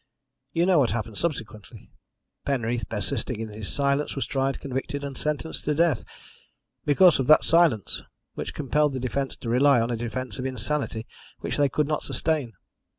You know what happened subsequently. Penreath, persisting in his silence, was tried, convicted, and sentenced to death because of that silence, which compelled the defence to rely on a defence of insanity which they could not sustain.